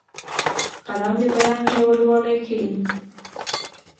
قلم د بیان ژوروالی ښيي